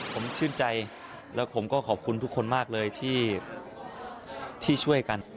ผมชื่นใจแล้วผมก็ขอบคุณทุกคนมากเลยที่ช่วยกัน